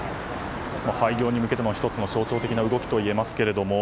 廃業に向けての１つの象徴的な動きと言えますが。